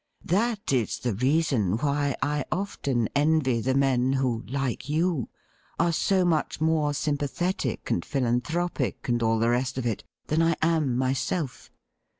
That is the reason why I often envy the men who, like you, are so much more sympathetic and philanthropic, and all the rest of it, than I am myself.